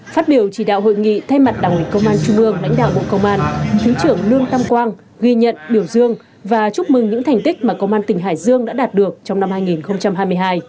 phát biểu chỉ đạo hội nghị thay mặt đảng ủy công an trung ương lãnh đạo bộ công an thứ trưởng lương tam quang ghi nhận biểu dương và chúc mừng những thành tích mà công an tỉnh hải dương đã đạt được trong năm hai nghìn hai mươi hai